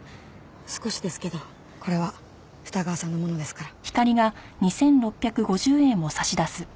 少しですけどこれは二川さんのものですから。